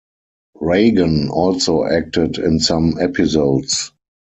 Reagan also acted in some episodes.